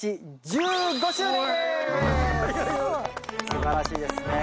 すばらしいですね。